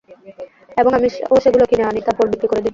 এবং আমিও সেগুলো কিনে আনি তারপর বিক্রি করে দিই।